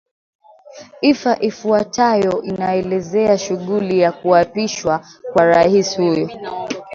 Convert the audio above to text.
ifa ifuatayo inaelezea shughuli ya kuapishwa kwa rais huyo